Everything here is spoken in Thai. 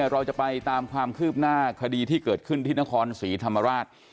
เราจะไปตามความคืบหน้าคดีที่เกิดขึ้นที่นครศรีธรรมราช